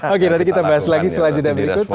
oke nanti kita bahas lagi setelah jeda berikut